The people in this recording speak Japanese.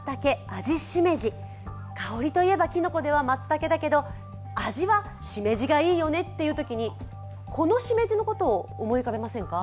香りといえばきのこはマツタケだけど味はしめじがいいよねというときに、このしめじのことを思い浮かべませんか？